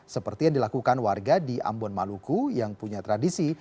seperti yang dilakukan warga di ambon maluku yang punya tradisi